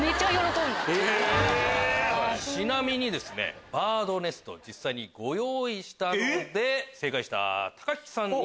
ちなみにバードネスト実際にご用意したので正解した木さんに。